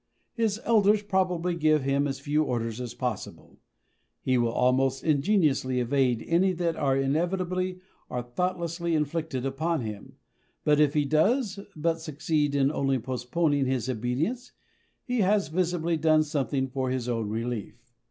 His elders probably give him as few orders as possible. He will almost ingeniously evade any that are inevitably or thoughtlessly inflicted upon him, but if he does but succeed in only postponing his obedience, he has, visibly, done something for his own relief.